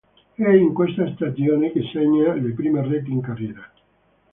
È in questa stagione che segna le prime reti in carriera.